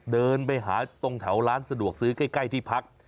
เดินไปหาตรงแถวร้านสะดวกซื้อใกล้ที่พัก